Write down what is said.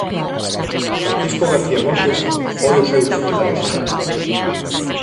Francisco García Montes foi o seu secretario xeral.